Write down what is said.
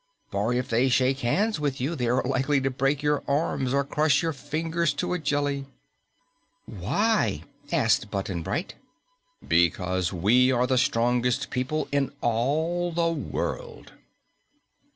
For if they shake hands with you, they are likely to break your arms or crush your fingers to a jelly." "Why?" asked Button Bright. "Because we are the strongest people in all the world."